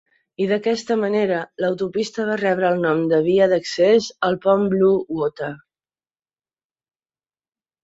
I d'aquesta manera, l'autopista va rebre el nom de Via d'accés al pont Blue Water.